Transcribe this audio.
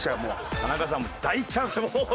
田中さん大チャンスです。